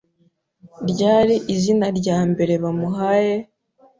Ryari izina rya mbere bamuhaye,